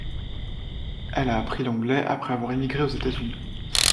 Elle a appris l'anglais après avoir émigré aux États-Unis.